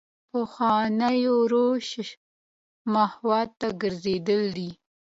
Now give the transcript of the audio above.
پخوانو روش محتوا ته ګرځېدل دي.